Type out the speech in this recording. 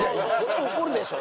怒るでしょ